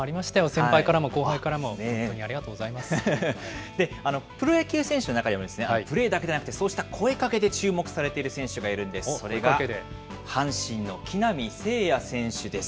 先輩からも後輩からも、本当にあで、プロ野球選手の中でも、プレーだけではなくて、そうした声かけで注目されている選手がいるんです、それが阪神の木浪聖也選手です。